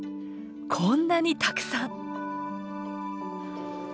こんなにたくさん！